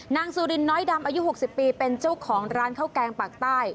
สุรินน้อยดำอายุ๖๐ปีเป็นเจ้าของร้านข้าวแกงปากใต้